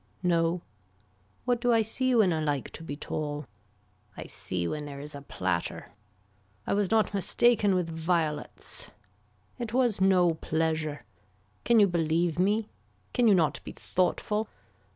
No What do I see when I like to be tall. I see when there is a platter. I was not mistaken with violets. It was no pleasure. Can you believe me. Can you not be thoughtful.